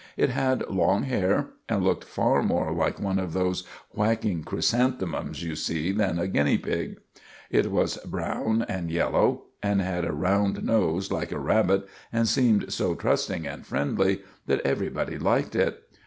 It had long hair, and looked far more like one of those whacking chrysanthemums you see than a guinea pig. It was brown and yellow, and had a round nose like a rabbit, and seemed so trusting and friendly that everybody liked it.